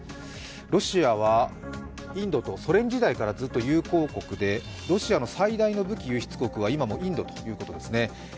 ロシアはインドとソ連時代からずっと友好国でロシアの最大の武器輸出国は今もインドということですね。